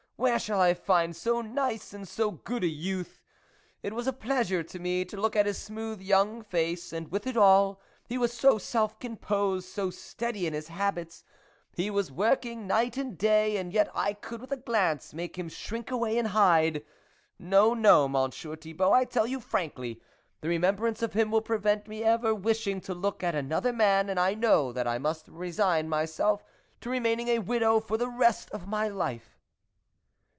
Where shall I find so nice and so good a youth ? It was a pleasure to me to look at his smooth young face, and with it all, he was so self composed, so steady in his habits ! he was working night and day, and yet I could with a glance make him shrink away and hide. No, no, Monsieur Thibault, I tell you frankly, the remem brance of him will prevent me ever wish ing to look at another man, and I know that I must resign myself to remaining a widow for the rest of my life."